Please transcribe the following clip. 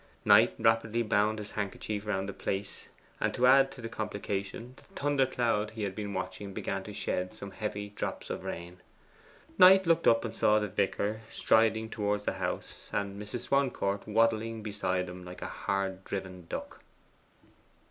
Knight rapidly bound his handkerchief round the place, and to add to the complication, the thundercloud he had been watching began to shed some heavy drops of rain. Knight looked up and saw the vicar striding towards the house, and Mrs. Swancourt waddling beside him like a hard driven duck.